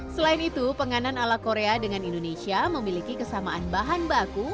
selain itu penganan ala korea dengan indonesia memiliki kesamaan bahan baku